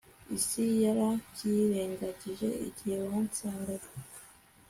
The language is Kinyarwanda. isi yarabyirengagije igihe wansangaga